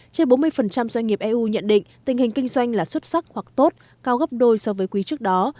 trên bốn mươi doanh nghiệp eu nhận định tình hình kinh doanh là xuất sắc hoặc tốt cao gấp đôi so với quý trước đó